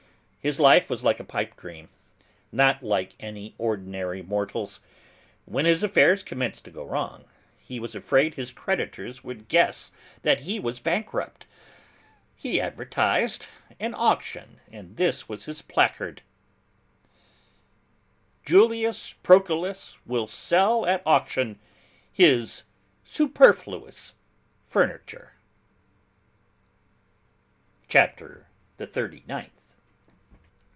His life was like a pipe dream, not like an ordinary mortal's. When his affairs commenced to go wrong, and he was afraid his creditors would guess that he was bankrupt, he advertised an auction and this was his placard: JULIUS PROCULUS WILL SELL AT AUCTION HIS SUPERFLUOUS FURNITURE" CHAPTER THE THIRTY NINTH.